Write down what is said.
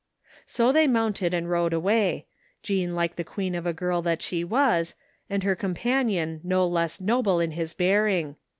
So they moimted and rode away, Jean like the queen of a girl that she was, and her companion no less noble in his bearing.